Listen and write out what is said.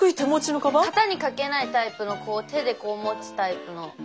肩に掛けないタイプの手でこう持つタイプの。